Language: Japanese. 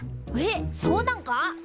えっそうなんか？